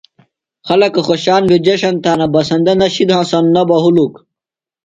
خلکہ خوشان بھےۡ جشن تھانہ۔ بسندہ نہ شِد ہنسانوۡ نہ بہ ہُلک۔